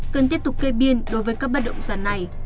cần tiếp tục kê biên đối với các bất động sản này